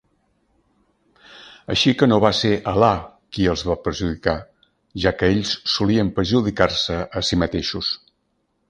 Així que no va ser Alà qui els va perjudicar, ja que ells solien perjudicar-se a sí mateixos.